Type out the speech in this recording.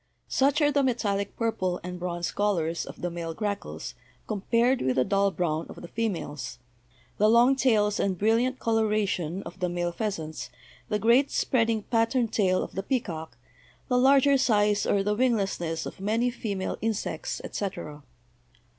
Such are the metallic purple and bronze colors of the male grackles compared with the dull brown of the fe males; the long tails and brilliant coloration of the male pheasants, the great spreading, patterned tail of the pea cock, the larger size or the winglessness of many female SEXUAL SELECTION 215 insects, etc.